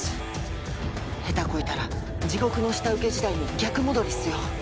下手こいたら地獄の下請け時代に逆戻りっすよ。